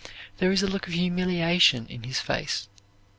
There is a look of humiliation in his face.